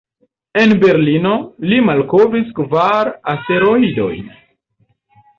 En Berlino, li malkovris kvar asteroidojn.